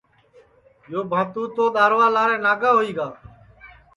بھاتُو تو دؔارووا ناگا ہوئی گا